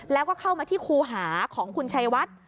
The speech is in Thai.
แล้วก็เข้ามาที่คูหาของคุณชัยวัด